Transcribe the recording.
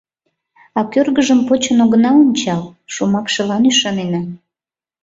А кӧргыжым почын огына ончал — шомакшылан ӱшанена.